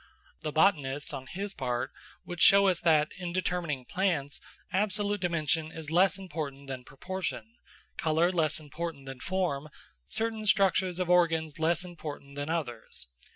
The botanist, on his part, would show us that, in determining plants, absolute dimension is less important than proportion, colour less important than form, certain structures of organs less important than others.